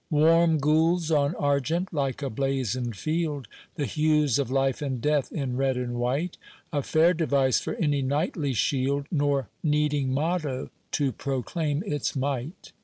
Warm gules on argent, like a blazoned field, The hues of life and death in red and white— A fair device for any knightly shield, Nor needing motto to proclaim its might.